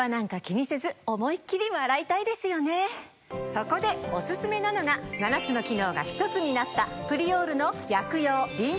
そこでオススメなのが７つの機能が１つになった。